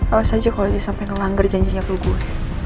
awas aja kalo dia sampai ngelanggar janjinya bel gue